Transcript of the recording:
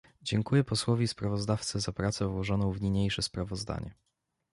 Dziękuję posłowi sprawozdawcy za pracę włożoną w niniejsze sprawozdanie